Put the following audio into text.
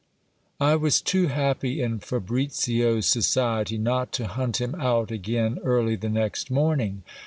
I was too happy in Fabricio's society, not to hunt him out again early the next morning.